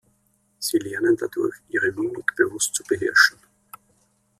Sie lernen dadurch, ihre Mimik bewusst zu beherrschen.